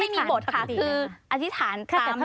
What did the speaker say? เหมือนบทสวนเหรอคะหรือยังไง